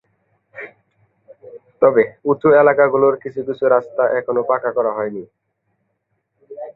তবে, উঁচু এলাকাগুলোর কিছু কিছু রাস্তা এখনো পাঁকা করা হয়নি।